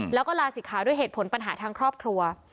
แล้วก็ลาศิกขาด้วยเหตุผลปัญหาทางครอบครัว